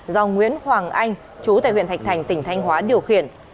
do nguyễn hoàng anh chú tại huyện thạch thành tỉnh thanh hóa điều khiển